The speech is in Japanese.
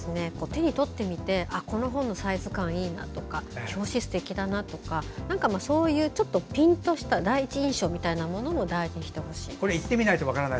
手にとって見てこの本のサイズ感いいなとか表紙すてきだなとかそういう、ピンとした第一印象みたいなものも大事にしてほしいです。